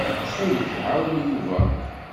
Ttxil-k, ɛawen Yuba.